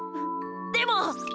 でも！